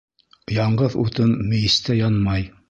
Яңғыҙ утын мейестә янмай.